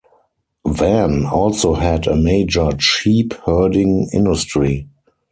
Van also had a major sheep herding industry.